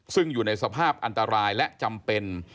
ซึ่งอยู่ในสภาพอันตรายและจำเป็น